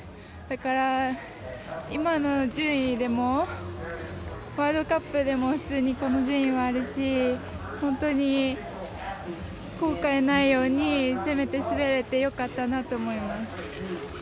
だから、今の順位でもワールドカップでも普通に、この順位はあるし本当に後悔ないように攻めて滑れてよかったなと思います。